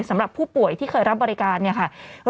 สำหรับผู้ป่วยที่เคยรับบริการเนี่ยค่ะ